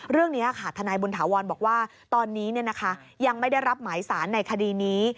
เรื่องนี้ค่ะทนายบุญถาวรบอกว่าตอนนี้ยังไม่ได้รับหมายสารในคดีนี้